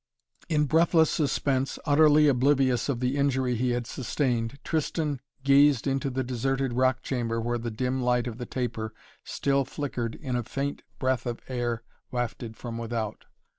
In breathless suspense, utterly oblivious of the injury he had sustained, Tristan gazed into the deserted rock chamber where the dim light of the taper still flickered in a faint breath of air wafted from without.